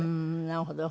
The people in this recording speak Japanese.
なるほど。